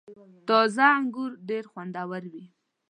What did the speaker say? • تازه انګور ډېر خوندور وي.